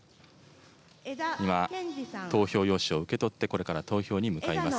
今、投票用紙を受け取って、これから投票に向かいます。